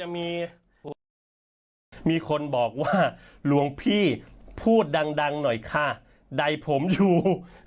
มีมีคนบอกว่าหลวงพี่พูดดังหน่อยค่ะใดผมอยู่